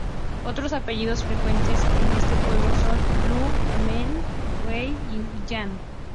Otros apellidos frecuentes en este pueblo son "Lu", "Meng", "Wei" y "Yan".